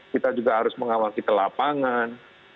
kita juga harus mengawasi ke lapangan